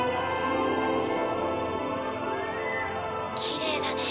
きれいだね。